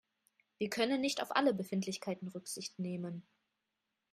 Wir können nicht auf alle Befindlichkeiten Rücksicht nehmen.